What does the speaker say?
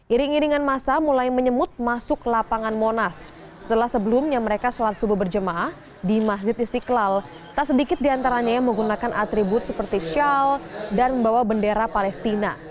iring iringan masa mulai menyemut masuk lapangan monas setelah sebelumnya mereka sholat subuh berjemaah di masjid istiqlal tak sedikit diantaranya yang menggunakan atribut seperti shawl dan membawa bendera palestina